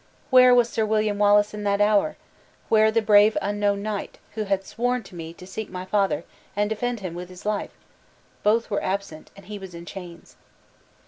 Where was Sir William Wallace in that hour? Where the brave unknown knight, who had sworn to me to seek my father, and defend him with his life? Both were absent, and he was in chains.